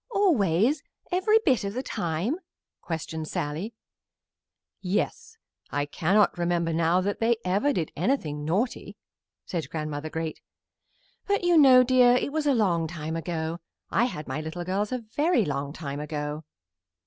"Always, every bit of the time?" questioned Sallie. "Yes; I cannot remember now that they ever did anything naughty," said Grandmother Great. "But you know, dear, it was a long time ago. I had my little girls a very long time ago."